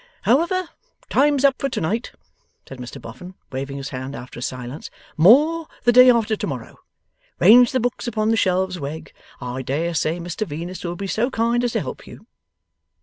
'However, time's up for to night,' said Mr Boffin, waving his hand after a silence. 'More, the day after to morrow. Range the books upon the shelves, Wegg. I dare say Mr Venus will be so kind as help you.